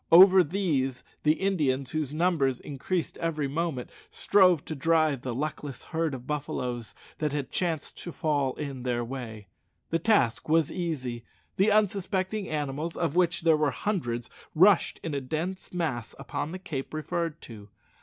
Over these the Indians, whose numbers increased every moment, strove to drive the luckless herd of buffaloes that had chanced to fall in their way. The task was easy. The unsuspecting animals, of which there were hundreds, rushed in a dense mass upon the cape referred to.